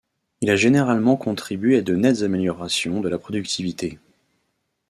Il a généralement contribué à de nettes améliorations de la productivité.